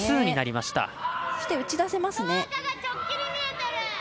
打ち出せますね。